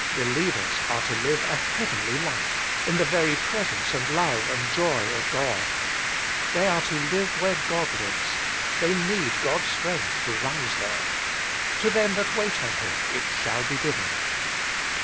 Believers are to live a heavenly life, in the very Presence and Love and Joy of God. They are to live where God lives; they need God's strength to rise there. To them that wait on Him it shall be given.